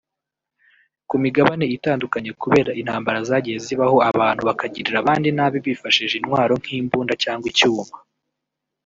ku migabane itandukanye kubera intambara zagiye zibaho abantu bakagirira abandi nabi bifashishije intwaro nk’imbunda cyangwa icyuma